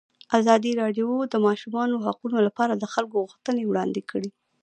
ازادي راډیو د د ماشومانو حقونه لپاره د خلکو غوښتنې وړاندې کړي.